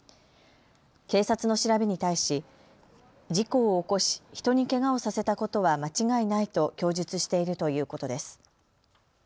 警察の調べに対し事故を起こし人にけがをさせたことは間違いないと供述しているということです。